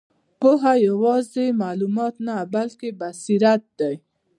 پوهه یوازې معلومات نه، بلکې بصیرت دی.